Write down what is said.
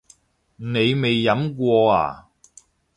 你未飲過呀？